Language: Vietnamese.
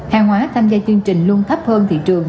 hàng hóa tham gia chương trình luôn thấp hơn thị trường